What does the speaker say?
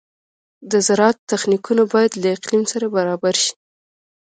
د زراعت تخنیکونه باید له اقلیم سره برابر شي.